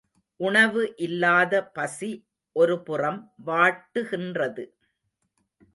உணவு இல்லாத பசி ஒரு புறம் வாட்டுகின்றது.